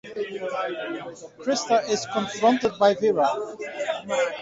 Krista is confronted by Vera.